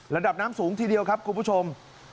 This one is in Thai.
ระดับน้ำสูงทีเดียวครับคุณผู้ชม